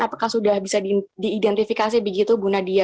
apakah sudah bisa diidentifikasi begitu bu nadia